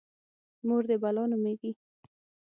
_مور دې بلا نومېږي؟